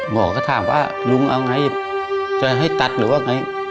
หมอก็ถามว่าลุงเอาไงจะให้ตัดหรือว่าไง